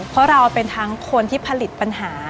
เพราะเราเป็นทั้งคนที่ผลิตปัญหา